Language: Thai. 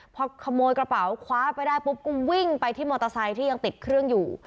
พอขโมยกระเป๋าคว้าไปได้ปุ๊บก็วิ่งไปที่มอเตอร์ไซค์ที่ยังติดเครื่องอยู่